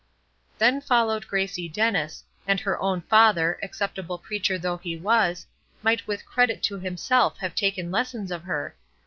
Then followed Gracie Dennis, and her own father, acceptable preacher though he was, might with credit to himself have taken lessons of her.